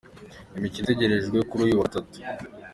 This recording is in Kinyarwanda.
Imikino itegerejwe kuri uyu wa gatatu.